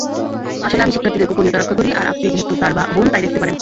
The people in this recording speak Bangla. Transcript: আসলে আমি শিক্ষার্থীদের গোপনীয়তা রক্ষা করি আর আপনি যেহেতু তার বোন তাই দেখতে পারেন।